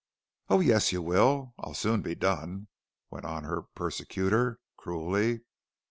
"Oh, yes, you will. I'll soon be done," went on her persecutor, cruelly.